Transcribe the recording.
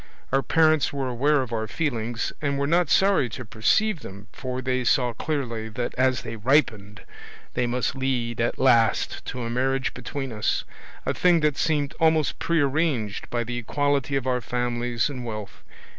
Our parents were aware of our feelings, and were not sorry to perceive them, for they saw clearly that as they ripened they must lead at last to a marriage between us, a thing that seemed almost prearranged by the equality of our families and wealth.